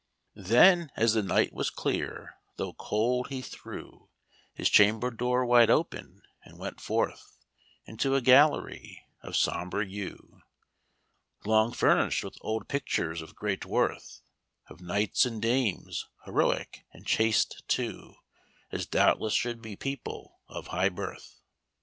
"Then as the night was clear, though cold, he threw His chamber door wide open and went forth Into a gallery, of sombre hue, Long furnish'd with old pictures of great worth, Of knights and dames, heroic and chaste too, As doubtless should be people of high birth.